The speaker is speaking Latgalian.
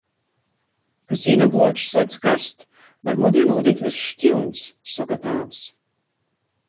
"Ka sīna bluočs suoc karst, var mudri nūdegt vyss škiuņs," soka tāvs.